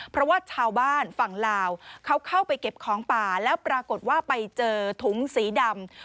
เพราะว่าชาวบ้านฝั่งลาวเขาเข้าไปเก็บของป่าแล้วปรากฏว่าไปเจอถุงสีดำ